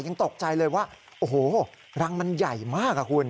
ยังตกใจเลยว่าโอ้โหรังมันใหญ่มากอะคุณ